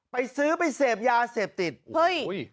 ไปซื้อไปเสพยาเสพติดเฮ้ย